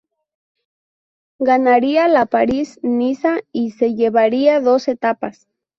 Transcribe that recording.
Ganaría la París-Niza y se llevaría dos etapas.